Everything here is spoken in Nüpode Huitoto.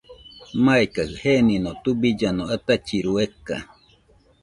Maikajɨ genino tubillano atachiru eka.